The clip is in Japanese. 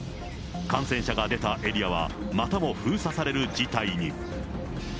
感染者が出たエリアはまたも封鎖される事態に。